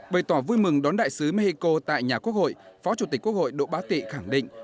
bày tỏ vui mừng đón đại sứ mexico tại nhà quốc hội phó chủ tịch quốc hội đỗ bá tị khẳng định